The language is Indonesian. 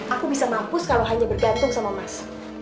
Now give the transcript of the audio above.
aku bisa mampu kalau hanya bergantung sama mas